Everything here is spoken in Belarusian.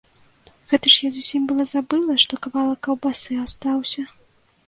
Гэта ж я зусім была забыла, што кавалак каўбасы астаўся.